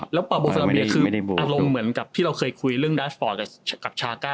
แล้วปาโบซาราเบียคืออารมณ์เหมือนกับที่เราเคยคุยเรื่องดาสปอร์ตกับชาก้า